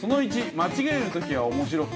間違えるときは、面白く。